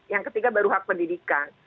yang ketiga baru hak pendidikan